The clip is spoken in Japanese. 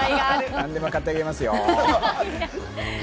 何でも買ってあげますよ。